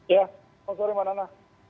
ya selamat sore mbak nana